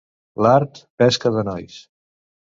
L'art, pesca de nois.